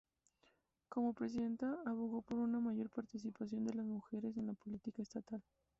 Como presidenta, abogó por una mayor participación de las mujeres en la política estatal.